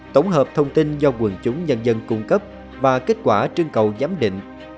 tổng hợp thông tin do quần chúng nhân dân cung cấp và kết quả trưng cầu giám định